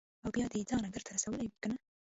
او بیا دې ځان انګړ ته رسولی وي کېنه.